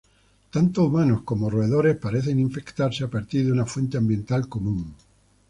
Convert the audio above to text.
Tanto humanos como roedores parecen infectarse a partir de una fuente ambiental común.